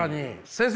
先生！